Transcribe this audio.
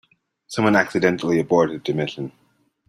Someone accidentally aborted the mission.